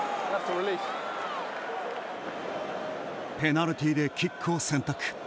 ペナルティでキックを選択。